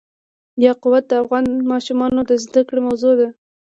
یاقوت د افغان ماشومانو د زده کړې موضوع ده.